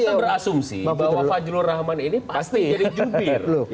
kita berasumsi bahwa fajrul rahman ini pasti jadi jubir